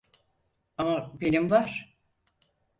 Ama benim var.